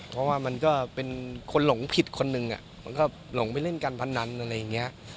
เพราะว่ามันก็เป็นคนหลงผิดคนหนึ่งหลงไปเล่นการพันธุ์นั้น